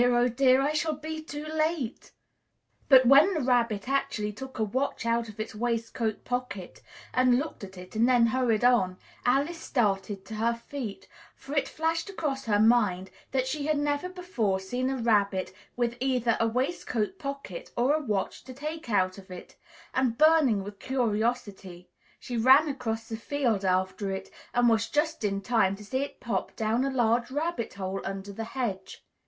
Oh dear! I shall be too late!" But when the Rabbit actually took a watch out of its waistcoat pocket and looked at it and then hurried on, Alice started to her feet, for it flashed across her mind that she had never before seen a rabbit with either a waistcoat pocket, or a watch to take out of it, and, burning with curiosity, she ran across the field after it and was just in time to see it pop down a large rabbit hole, under the hedge.